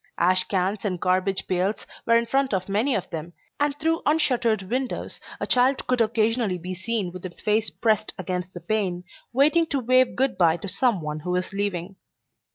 Ash cans and garbage pails were in front of many of them, and through unshuttered windows a child could occasionally be seen with its face pressed against the pane, waiting to wave good by to some one who was leaving.